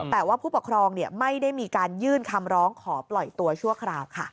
แต่ว่าผู้ปกครองไม่ได้มีการยื่นคำร้องขอปล่อยตัวชั่วคราวค่ะ